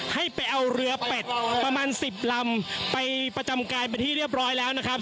ให้ไปเอาเรือเป็ดประมาณ๑๐ลำไปประจำกายเป็นที่เรียบร้อยแล้วนะครับ